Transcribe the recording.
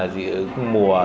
dị ứng mùa